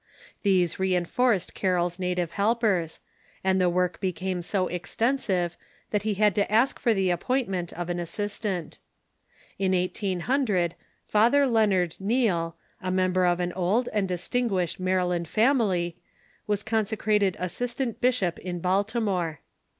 These reinforced Carroll's native helpers, and the work became so extensive that he had to ask for the appointment of an assistant. In 1800 Father Leonard Neale, a member of an old and distinguished Maryland fam ily, was consecrated assistant bishop in Baltimore.